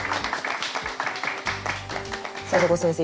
里子先生